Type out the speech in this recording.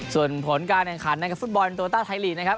ส่วนผลการแข่งขันในฟุตบอลเป็นโตต้าไทยลีนนะครับ